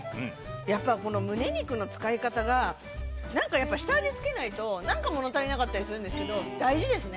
やっぱり、このむね肉の使い方がなんか、やっぱり下味つけないとなんか物足りなかったりするんですけど、大事ですね。